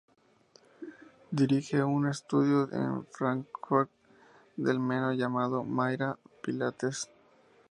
Dirige un estudio en Fráncfort del Meno, llamado Mayra-Pilates.